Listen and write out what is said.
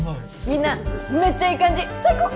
みんなめっちゃいい感じ最高！